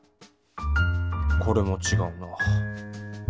これもちがうな。